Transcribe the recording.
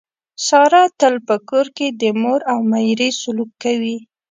ساره تل په کور کې د مور او میرې سلوک کوي.